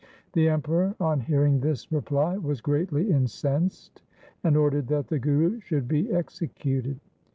The Emperor on hearing this reply was greatly incensed, and ordered that the Guru should be executed.